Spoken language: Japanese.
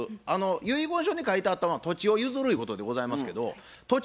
遺言書に書いてあったんは土地を譲るゆうことでございますけど土地